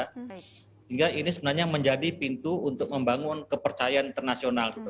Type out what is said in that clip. sehingga ini sebenarnya menjadi pintu untuk membangun kepercayaan internasional gitu